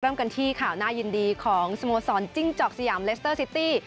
เริ่มกันที่ข่าวน่ายินดีของสโมสรจิ้งจอกสยามเลสเตอร์ซิตี้